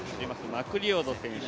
マクリオド選手